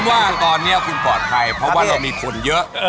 ว่าตอนนี้คุณปลอดภัยเพราะว่าเรามีคนเยอะ